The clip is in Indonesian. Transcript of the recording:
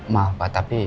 maaf pak tapi